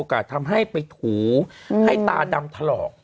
คือวันนี้รักษาทาง